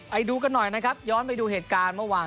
ไปดูกันหน่อยนะครับย้อนไปดูเหตุการณ์เมื่อวาน